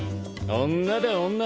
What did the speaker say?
女だ女。